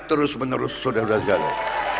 terus menerus saudara saudara sekalian